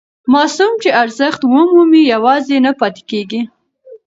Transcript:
ماسوم چې ارزښت ومومي یوازې نه پاتې کېږي.